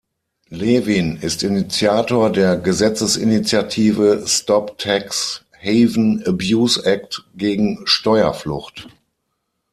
Levin ist Initiator der Gesetzesinitiative "Stop Tax Haven Abuse Act" gegen Steuerflucht.